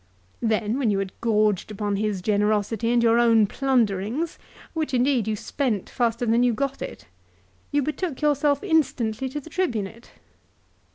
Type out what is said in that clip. Then, when you had gorged upon his generosity and your own plunderings, which indeed you spent faster than you got it, you betook yourself instantly to the Tribunate."